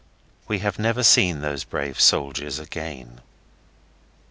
We have never seen those brave soldiers again.